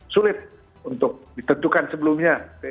sulit untuk ditentukan sebelumnya